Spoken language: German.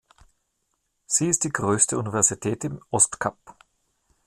Sie ist die größte Universität im Ostkap.